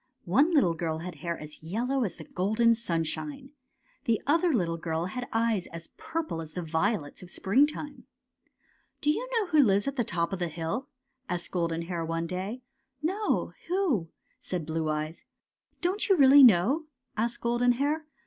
One little girl had hair as yellow as the golden sunshine. The other little girl had eyes as purple as the violets of springtime. *^ Do you know who lives at the top of this hill? " asked Golden Hair one day. " No. Who? " said Blue Eyes. '' Don't you really know? " asked Golden Hair.